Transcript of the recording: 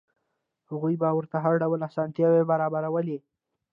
هغوی به ورته هر ډول اسانتیاوې برابرولې.